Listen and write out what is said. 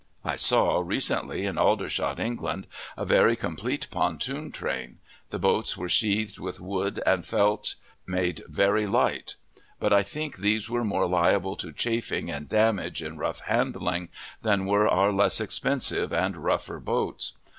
I saw, recently, in Aldershot, England, a very complete pontoon train; the boats were sheathed with wood and felt, made very light; but I think these were more liable to chafing and damage in rough handling than were our less expensive and rougher boats.